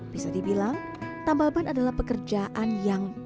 bisa dibilang tambal ban adalah pekerjaan yang